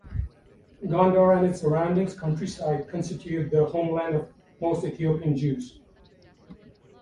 Gondar and its surrounding countryside constitute the homeland of most Ethiopian Jews.